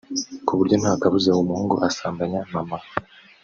ku buryo nta kabuza uwo muhungu asambanya mama